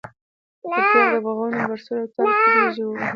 پر تېر د بغاوتونو پر سور او تال کرېږې وهو.